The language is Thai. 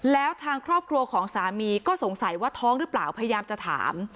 แล้วทางครอบครัวของสามีก็สงสัยว่าท้องหรือเปล่าพยายามจะถาม